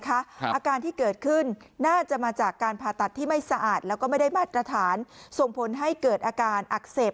อาการที่เกิดขึ้นน่าจะมาจากการผ่าตัดที่ไม่สะอาดแล้วก็ไม่ได้มาตรฐานส่งผลให้เกิดอาการอักเสบ